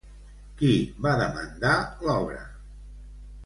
Qui va demandar l'obra?